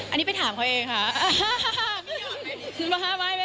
อันนี้ไปถามเขาเองค่ะ